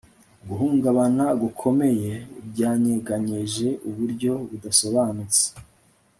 Guhungabana gukomeye byanyeganyeje uburyo budasobanutse